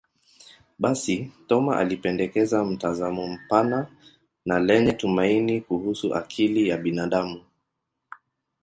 Basi, Thoma alipendekeza mtazamo mpana na lenye tumaini kuhusu akili ya binadamu.